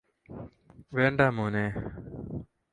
വേണ്ടാ മോനേ